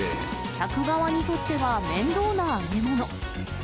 客側にとっては面倒な揚げ物。